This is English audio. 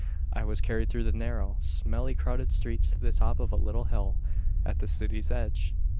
I was carried through the narrow, smelly, crowded streets to the top of a little hill at the city's edge.